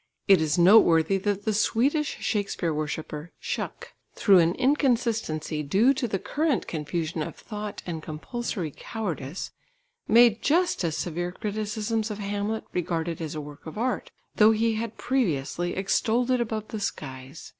_ It is noteworthy that the Swedish Shakespeare worshipper, Shuck, through an inconsistency due to the current confusion of thought and compulsory cowardice, made just as severe criticisms of Hamlet regarded as a work of art, though he had previously extolled it above the skies.